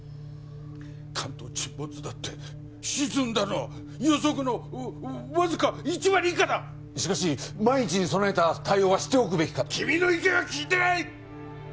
関東沈没だって沈んだのは予測のわわずか１割以下だしかし万一に備えた対応はしておくべきかと君の意見は聞いてない！